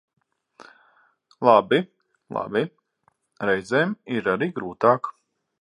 Labi, labi, reizēm ir arī grūtāk.